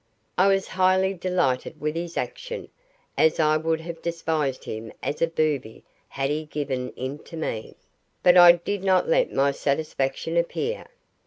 I was highly delighted with his action, as I would have despised him as a booby had he given in to me, but I did not let my satisfaction appear.